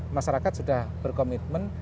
masyarakat sudah berkomitmen